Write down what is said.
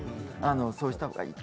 そうしたほうがいい。